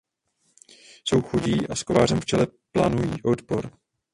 Jsou chudí a s kovářem v čele plánují odpor.